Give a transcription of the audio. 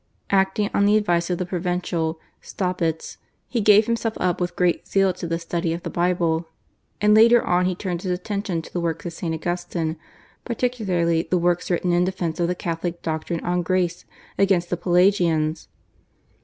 Acting on the advice of the provincial, Staupitz, he gave himself up with great zeal to the study of the Bible, and later on he turned his attention to the works of St. Augustine, particularly the works written in defence of the Catholic doctrine on Grace against the Pelagians.